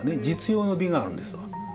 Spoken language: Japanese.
実用の美があるんですわ。